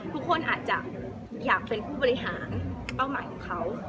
ทุกคนอาจจะอยากเป็นผู้บริหารเป้าหมายของเขา